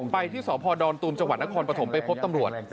ไปที่สภดอนตุมจนครปฐมไปพบตำรวจ